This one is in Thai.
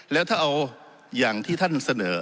แล้วถ้าเอาอย่างที่ท่านเสนอ